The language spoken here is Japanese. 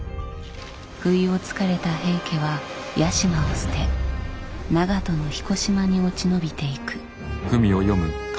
不意をつかれた平家は屋島を捨て長門の彦島に落ち延びていく。